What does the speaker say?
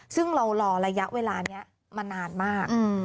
ซึ่งเรารอระยะเวลานี้มานานมาก